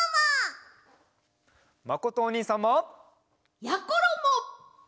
まことおにいさんも！やころも！